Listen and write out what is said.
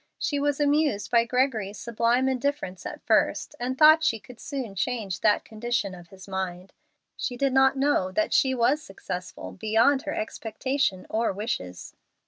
She was amused by Gregory's sublime indifference at first, and thought she could soon change that condition of his mind. She did not know that she was successful beyond her expectation or wishes.